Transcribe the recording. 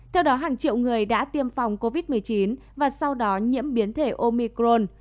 theo đó hàng triệu người đã tiêm phòng covid một mươi chín và sau đó nhiễm biến thể omicron